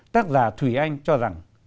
tác giả thủy anh cho rằng